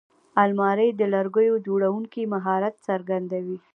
الماري د لرګیو جوړوونکي مهارت څرګندوي